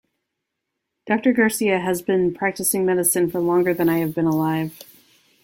Doctor Garcia has been practicing medicine for longer than I have been alive.